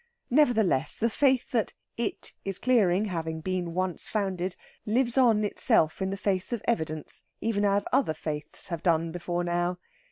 Nevertheless, the faith that "it" is clearing having been once founded, lives on itself in the face of evidence, even as other faiths have done before now.